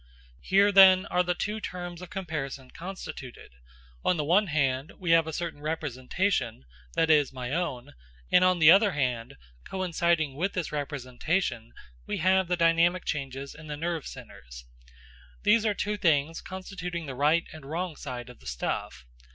Here, then, are the two terms of comparison constituted: on the one hand, we have a certain representation that is, my own; and on the other hand, coinciding with this representation we have the dynamic changes in the nerve centres. These are the two things constituting the right and wrong side of the stuff.